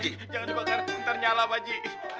jangan dibakar ntar nyala pak ji